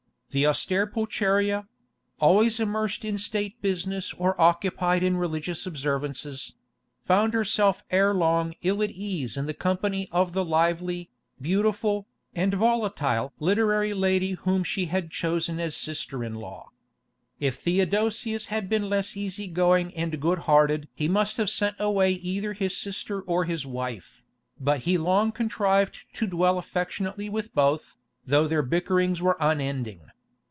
The austere Pulcheria—always immersed in state business or occupied in religious observances—found herself ere long ill at ease in the company of the lively, beautiful, and volatile literary lady whom she had chosen as sister in law. If Theodosius had been less easy going and good hearted he must have sent away either his sister or his wife, but he long contrived to dwell affectionately with both, though their bickerings were unending.